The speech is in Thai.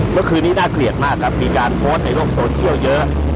เมื่อคืนนี้น่าเกลียดมากครับมีการโพสต์ในโลกโซเชียลเยอะ